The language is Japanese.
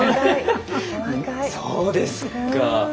そうですか。